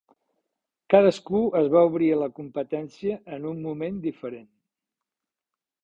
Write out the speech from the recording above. Cadascú es va obrir a la competència en un moment diferent.